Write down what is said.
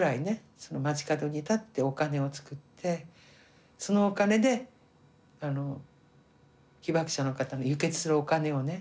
その街角に立ってお金を作ってそのお金で被爆者の方の輸血するお金をね